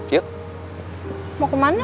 yuk mau kemana